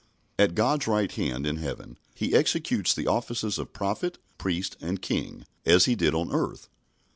At God's right hand in heaven He executes the offices of Prophet, Priest, and King, as He did on earth.